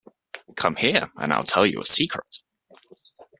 Come here and I'll tell you a secret.